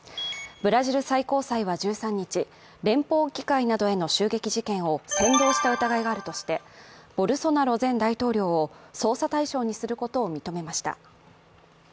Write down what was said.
ブラジル最高裁は１３日、連邦議会などへの襲撃事件を扇動した疑いがあるとしてボルソナロ前大統領を捜査対象にすることを認めました。